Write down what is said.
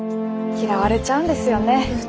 嫌われちゃうんですよね。